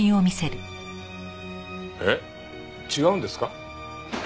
えっ違うんですか？